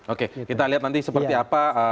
oke kita lihat nanti seperti apa